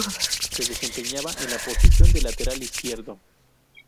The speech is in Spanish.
Se desempeñaba en la posición de lateral izquierdo.